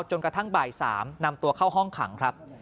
จนกระทั่งบ่าย๓นำตัวเข้าห้องขังครับ